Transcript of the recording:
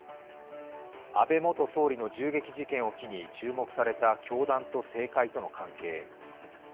安倍元総理の銃撃事件を機に注目された教団と政界との関係。